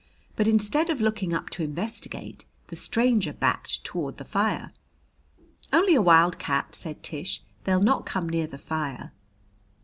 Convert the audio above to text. But instead of looking up to investigate, the stranger backed toward the fire. "Only a wildcat," said Tish. "They'll not come near the fire."